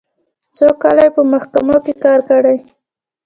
څو کاله یې په محکمو کې کار کړی.